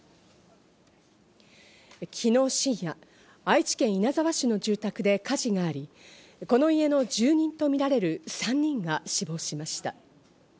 昨日深夜、愛知県稲沢市の住宅で火事があり、この家の住人とみられる３人が死亡しました。